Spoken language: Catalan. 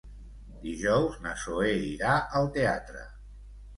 Dijous na Zoè irà al teatre.